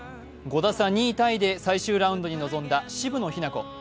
５打差、２位タイで最終ラウンドに臨んだ渋野日向子。